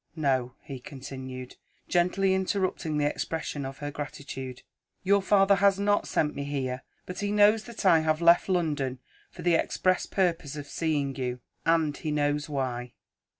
No," he continued, gently interrupting the expression of her gratitude. "Your father has not sent me here but he knows that I have left London for the express purpose of seeing you, and he knows why.